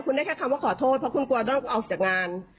คุณได้แค่คำว่าขอโทษเพราะคุณกลัวต้องออกจากงาน